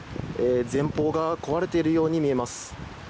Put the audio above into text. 前方が壊れているように見えます。